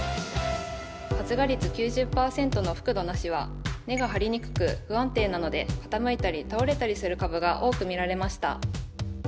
発芽率９０％の覆土なしは根が張りにくく不安定なので傾いたり倒れたりする株が多く見られました。